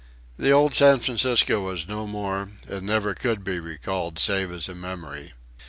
The old San Francisco was no more, and never could be recalled save as a memory.